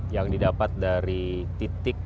yang didapat dari titik